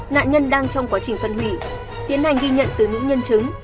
nạn nhân đang trong quá trình phân hủy tiến hành ghi nhận từ những nhân chứng